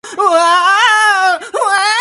There are many variations of the dish.